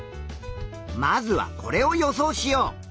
まずはこれを予想しよう。